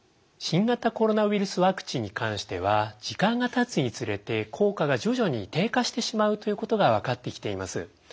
新型コロナウイルスワクチンに関しては時間がたつにつれて効果が徐々に低下してしまうということが分かってきています。